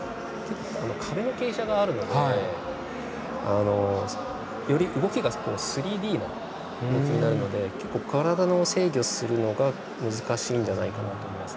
壁の傾斜があるのでより動きが３Ｄの動きになるので結構、体を制御するのが難しいんじゃないかと思います。